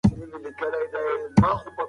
ليکوال به سپارښتنې ورکولې.